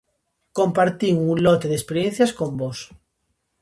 Compartín un lote de experiencias con vós.